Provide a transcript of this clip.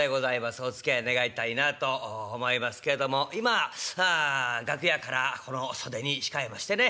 おつきあい願いたいなと思いますけれども今楽屋からこの袖に控えましてね